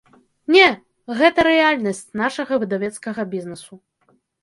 Не, гэта рэальнасць нашага выдавецкага бізнесу.